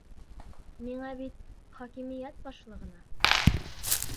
Миңә бит хакимиәт башлығына!..